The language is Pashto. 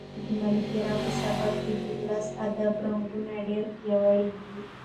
د ملکیار په سبک کې د ولسي ادب رنګونه ډېر پیاوړي دي.